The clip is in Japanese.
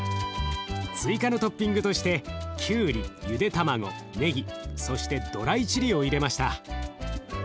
追加のトッピングとしてきゅうりゆで卵ねぎそしてドライチリを入れました。